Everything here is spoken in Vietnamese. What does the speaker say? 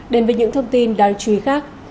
đến với những thông tin đáng chú ý khác